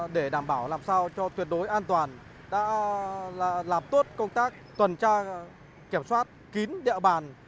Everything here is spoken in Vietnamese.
để đảm bảo làm sao cho tuyệt đối an toàn đã làm tốt công tác tuần tra kiểm soát kín địa bàn